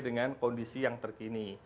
dengan kondisi yang terkini